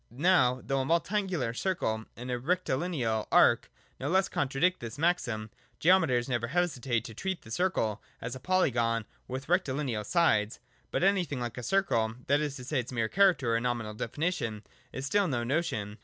Now though a multangular circle and a rectilineal arc no less contradict this maxim, geometers never hesitate to treat the circle as a polygon with rectilineal sides. But anything like a circle (that is to say its mere character or nominal definition) is still no notion.